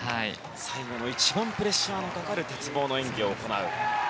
最後の一番プレッシャーのかかる鉄棒の演技を行うと。